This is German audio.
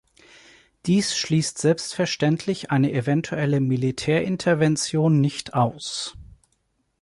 Dies schließt selbstverständlich eine eventuelle Militärintervention nicht aus.